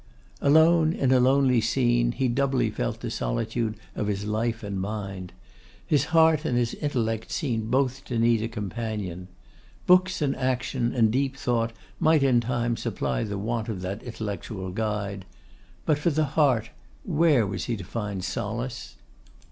Alone, in a lonely scene, he doubly felt the solitude of his life and mind. His heart and his intellect seemed both to need a companion. Books, and action, and deep thought, might in time supply the want of that intellectual guide; but for the heart, where was he to find solace?